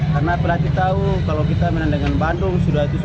karena pelatih tahu kalau kita main dengan bandung